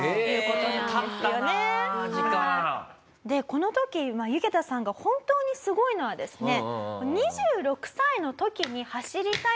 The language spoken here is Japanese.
この時ユゲタさんが本当にすごいのはですね。